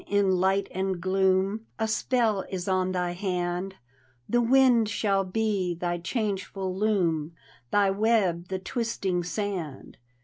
in light and gloom A spell is on thy hand ; The wind shall be thy changeful loom. Thy web the twisting sand.